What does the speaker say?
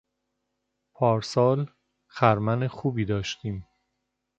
پارسال خرمن خوبی داشتیم.